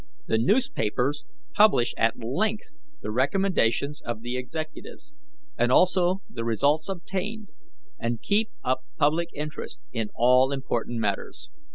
The newspapers publish at length the recommendations of the Executives, and also the results obtained, and keep up public interest in all important matters.